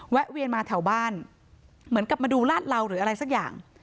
เวียนมาแถวบ้านเหมือนกับมาดูลาดเหลาหรืออะไรสักอย่าง